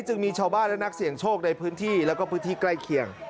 จึงมีชาวบ้านและนักเสี่ยงโชคในพื้นที่แล้วก็พื้นที่ใกล้เคียง